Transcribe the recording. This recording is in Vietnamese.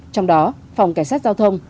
trong đó phòng cảnh sát giao thông